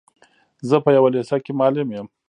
زه په يوه لېسه کي معلم يم.